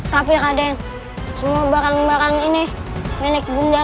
tapi raden semua barang barang ini milik bunda ratu